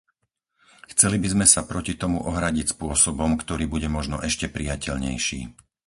Chceli by sme sa proti tomu ohradiť spôsobom, ktorý bude možno ešte prijateľnejší.